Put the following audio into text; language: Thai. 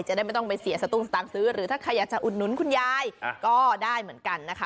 จะได้ไม่ต้องไปเสียสตุ้งสตางค์ซื้อหรือถ้าใครอยากจะอุดหนุนคุณยายก็ได้เหมือนกันนะคะ